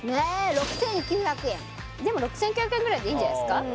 ６９００円でも６９００円ぐらいでいいんじゃないすか？